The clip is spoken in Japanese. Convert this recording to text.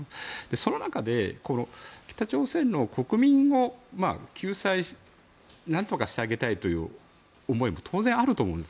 その中で北朝鮮の国民の救済何とかしてあげたいという思いも当然あると思うんです。